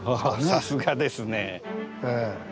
さすがですね。